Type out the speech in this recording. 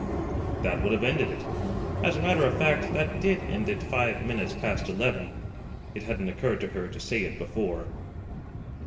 That would have ended it. As a matter of fact that did end it five minutes past eleven. It hadn't occurred to her to say it before.